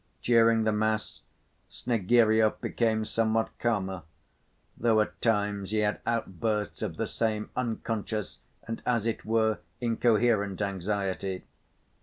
During the mass Snegiryov became somewhat calmer, though at times he had outbursts of the same unconscious and, as it were, incoherent anxiety.